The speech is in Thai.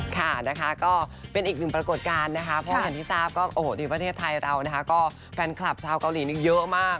ค่ะนะคะก็เป็นอีกหนึ่งปรากฏการณ์นะคะเพราะอย่างที่ทราบก็โอ้โหในประเทศไทยเรานะคะก็แฟนคลับชาวเกาหลีนี่เยอะมาก